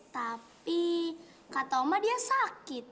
tapi kata oma dia sakit